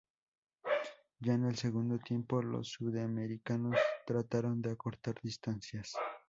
Ya en el segundo tiempo los sudamericanos trataron de acortar distancias.